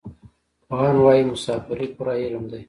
پوهان وايي مسافري پوره علم دی.